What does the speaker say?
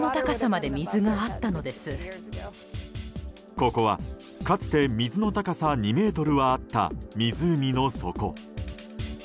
ここは、かつて水の高さ２ｍはあった湖の底。